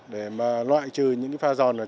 để mà loại trừ những pha giòn này